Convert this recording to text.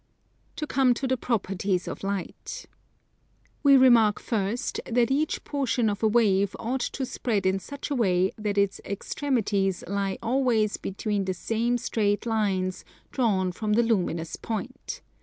To come to the properties of Light. We remark first that each portion of a wave ought to spread in such a way that its extremities lie always between the same straight lines drawn from the luminous point.